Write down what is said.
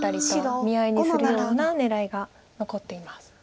見合いにするような狙いが残っています。